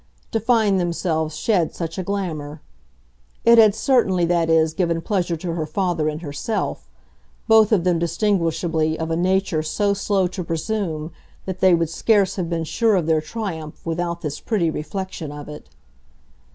to find themselves shed such a glamour; it had certainly, that is, given pleasure to her father and herself, both of them distinguishably of a nature so slow to presume that they would scarce have been sure of their triumph without this pretty reflection of it.